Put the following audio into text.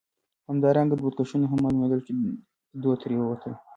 همدارنګه دودکشونه هم معلومېدل، چې دود ترې وتل.